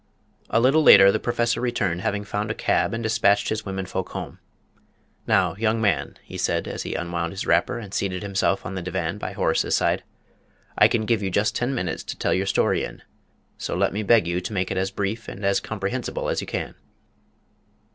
A little later the Professor returned, having found a cab and despatched his women folk home. "Now, young man," he said, as he unwound his wrapper and seated himself on the divan by Horace's side, "I can give you just ten minutes to tell your story in, so let me beg you to make it as brief and as comprehensible as you can."